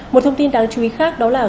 một thông tin đáng chú ý khác đó là